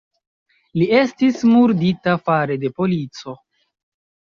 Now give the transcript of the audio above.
Li estis murdita fare de polico.